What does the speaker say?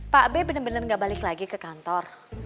pak be bener bener gak balik lagi ke kantor